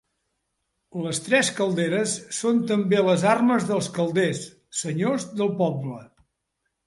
Les tres calderes són també les armes dels Calders, senyors del poble.